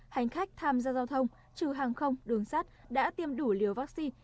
hành khách tham gia giao thông trừ hàng không đường sắt đã tiêm đủ liều vaccine